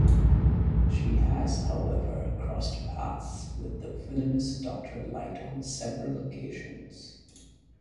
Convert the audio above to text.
She has, however, crossed paths with the villainous Doctor Light on several occasions.